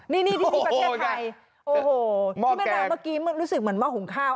นี่ที่ประเทศไทยโอ้โหที่แม่น้ำเมื่อกี้รู้สึกเหมือนหม้อหุงข้าว